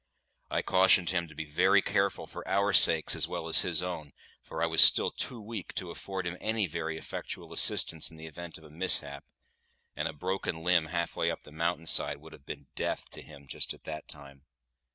I cautioned him to be very careful for our sakes as well as his own, for I was still too weak to afford him any very effectual assistance in the event of a mishap: and a broken limb half way up the mountain side would have been death to him just at that time.